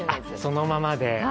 そのままで。